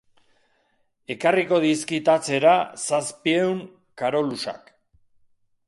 Ekarriko dizkit atzera zazpiehun karolusak.